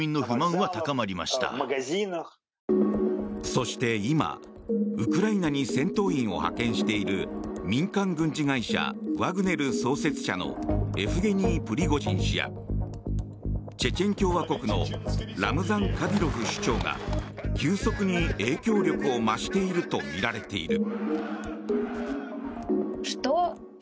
そして今、ウクライナに戦闘員を派遣している民間軍事会社ワグネル創設者のエフゲニー・プリゴジン氏やチェチェン共和国のラムザン・カディロフ首長が急速に影響力を増しているとみられている。